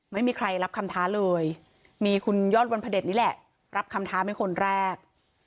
ไม่มีใครรับคำท้าเลยมีคุณยอดวันพระเด็จนี่แหละรับคำท้าเป็นคนแรก